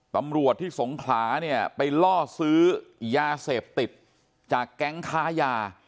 ตำรวจที่สงขลาเนี่ยไปล่อซื้อยาเสพติดจากแก๊งค้ายา